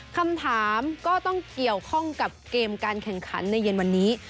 คำถามก็ต้องเกี่ยวข้องกับเกมการแข่งขันในเย็นวันนี้